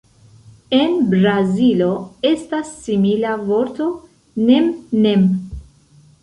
En Brazilo, estas simila vorto "nem-nem".